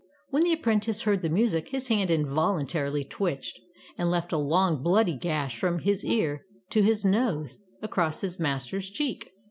When the apprentice heard the music, his hand involuntarily twitched, and left a long, bloody gash from his ear to his nose, across his master's cheek.